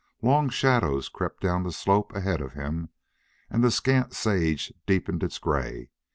Long shadows crept down the slope ahead of him and the scant sage deepened its gray.